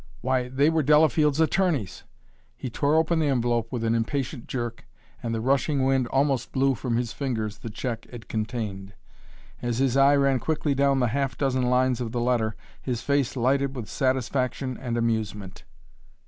"Why, they were Delafield's attorneys!" He tore open the envelope with an impatient jerk and the rushing wind almost blew from his fingers the check it contained. As his eye ran quickly down the half dozen lines of the letter his face lighted with satisfaction and amusement.